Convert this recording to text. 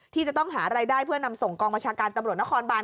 ที่จะต้องหารายได้เพื่อนำส่งกองบัญชาการตำรวจนครบาน